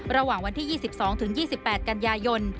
ระหว่างวันที่๒๒๒๘กันยายน